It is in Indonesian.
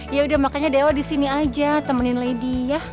ya udah makanya dewa disini aja temenin lady ya